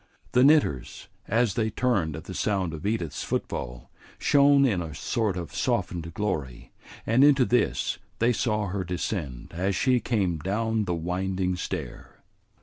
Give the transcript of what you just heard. The knitters, as they turned at the sound of Edith's footfall, shone in a sort of softened glory, and into this they saw her descend as she came down the winding stair.